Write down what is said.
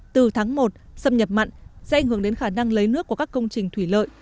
từ tháng một xâm nhập mặn sẽ ảnh hưởng đến khả năng lấy nước của các công trình thủy lợi